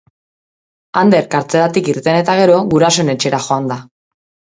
Ander kartzelatik irten eta gero gurasoen etxera joan da.